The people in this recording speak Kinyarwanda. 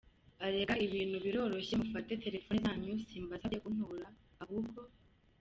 Arega ibintu biroroshye, mufate telefone zanyu simbasabye ku ntora, ahubwo.